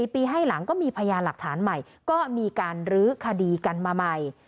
ปีให้หลังก็มีพยานหลักฐานใหม่ก็มีการรื้อคดีกันมาใหม่